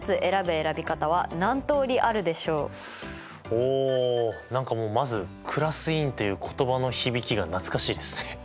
おお何かまずクラス委員っていう言葉の響きが懐かしいですね。